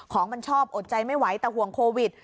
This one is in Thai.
ของมันชอบอดใจไม่ไหวแต่ห่วงโควิด